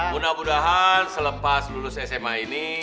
mudah mudahan selepas lulus sma ini